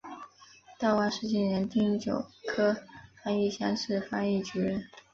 道光十七年丁酉科翻译乡试翻译举人。